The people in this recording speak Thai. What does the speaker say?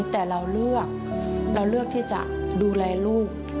แต่เราเลือกเราเลือกที่จะดูแลลูก